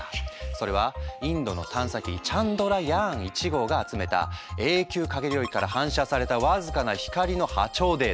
それはインドの探査機「チャンドラヤーン１号」が集めた永久影領域から反射された僅かな光の波長データ。